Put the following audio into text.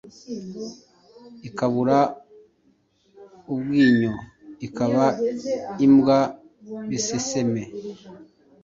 Ikabura ubwinyo ,ikaba imbwa biseseme !